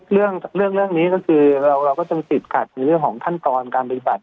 อ๋อเรื่องเรื่องนี้ก็คือเราก็ต้องติดขัดในเรื่องของท่านตอนการบริษัท